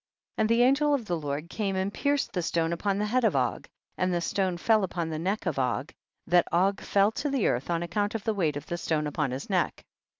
25. And the angel of the Lord came and pierced the stone upon the head of Og, and the stone fell upon the neck of Og that Og fell to the earth on account of the weight of the stone upon his neck.